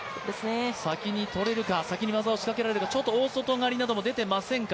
先に取れるか、先に技を仕掛けられるか、ちょっと大外刈なども出ていませんが。